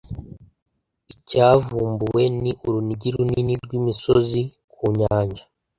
Icyavumbuwe ni urunigi runini rw'imisozi ku nyanja